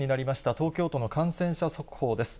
東京都の感染者速報です。